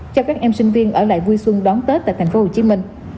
cho các em sinh viên ở lại vui xuân đón tết tại tp hcm